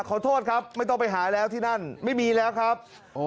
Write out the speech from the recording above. ขอโทษครับไม่ต้องไปหาแล้วที่นั่นไม่มีแล้วครับ